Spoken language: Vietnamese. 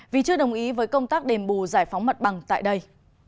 vì chưa đồng ý với công tác đền bù giải phóng mặt bằng tại đây